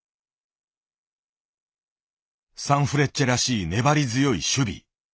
サンフレッチェらしい粘り強い守備。